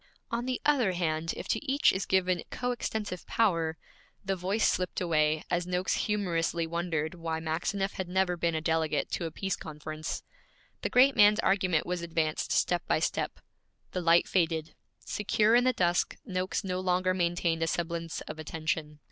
'On the other hand, if to each is given coextensive power ' The voice slipped away, as Noakes humorously wondered why Maxineff had never been a delegate to a Peace conference. The great man's argument was advanced step by step. The light faded. Secure in the dusk, Noakes no longer maintained a semblance of attention.